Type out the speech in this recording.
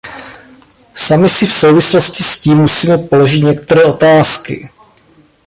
Sami si v souvislosti s tím musíme položit některé otázky.